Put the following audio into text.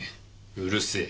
うるせえ。